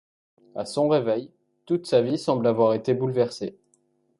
À son réveil, toute sa vie semble avoir été bouleversée.